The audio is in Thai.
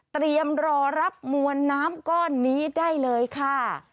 เตรียมรอรับมวลน้ำก้อนนี้ได้เลยค่ะ